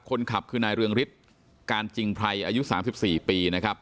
คนขับคือนายเรืองฤทธิ์การจริงไพรอายุ๓๔ปีนะครับ